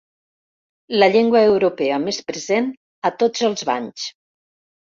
La llengua europea més present a tots els banys.